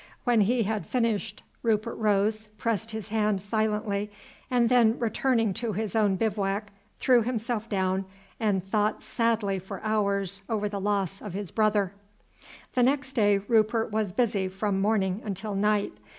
When he had finished Rupert rose, pressed his hand silently, and then returning to his own bivouac threw himself down and thought sadly for hours over the loss of his brother. The next day Rupert was busy from morning until night.